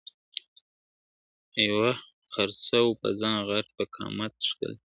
یو غرڅه وو په ځان غټ په قامت ښکلی `